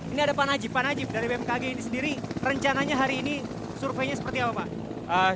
ini ada pak najib pak najib dari bmkg ini sendiri rencananya hari ini surveinya seperti apa pak